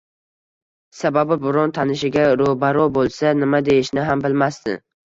Sababi biron tanishiga ro`baro` bo`lsa nima deyishni ham bilmasdi